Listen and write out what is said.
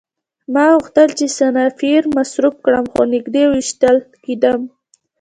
ما غوښتل چې سنایپر مصروف کړم خو نږدې ویشتل کېدم